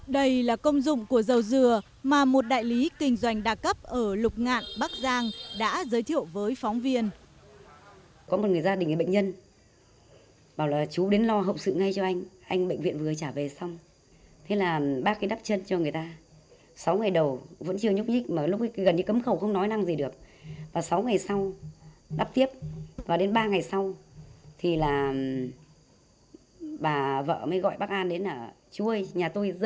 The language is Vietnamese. đây là công dụng của dầu dừa mà một đại lý kinh doanh đa cấp ở lục ngạn bắc giang đã giới thiệu với phóng viên